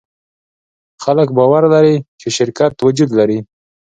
خلک باور لري، چې شرکت وجود لري.